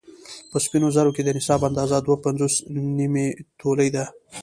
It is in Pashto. په سپينو زرو کې د نصاب اندازه دوه پنځوس نيمې تولې ده